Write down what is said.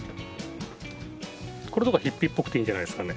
これとかヒッピーっぽくていいんじゃないですかね？